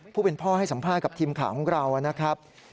ผู้เป็นพ่อให้สัมภาษณ์กับทีมข่าวของเรานะครับ